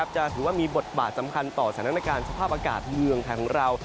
จะถือว่ามีบทบาทสำคัญต่อสถานการณ์สภาพอากาศเมืองไทยของเรา